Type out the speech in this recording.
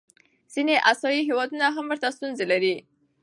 ځینې آسیایي هېوادونه هم ورته ستونزې لري.